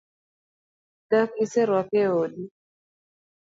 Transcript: Dak iseruaka e odi?